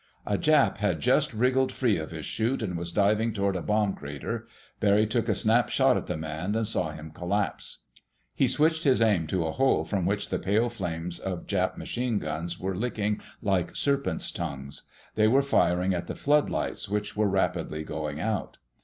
A Jap had just wriggled free of his chute and was diving toward a bomb crater. Barry took a snap shot at the man, and saw him collapse. He switched his aim to a hole from which the pale flames of Jap machine guns were licking like serpents' tongues. They were firing at the floodlights, which were rapidly going out.